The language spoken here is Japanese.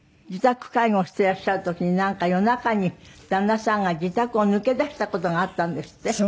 自宅介護をしていらっしゃる時になんか夜中に旦那さんが自宅を抜け出した事があったんですって？